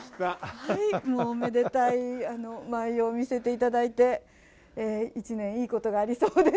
おめでたい舞を見せていただいて一年いい事がありそうです